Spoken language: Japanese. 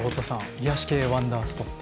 癒やし系ワンダースポット。